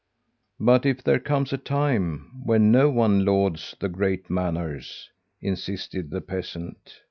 "'But if there comes a time when no one lauds the great manors?' insisted the peasant.